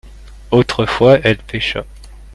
autrefois elle pêcha.